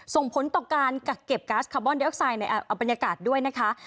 ส่งผลต่อการกักเก็บก๊าซคาร์บอนเดออกไซด์ในบรรยากาศด้วยนะคะ